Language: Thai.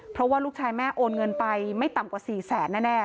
เพราะว่าลูกชายแม่โอนเงินไปไม่ต่ำกว่า๔แสนแน่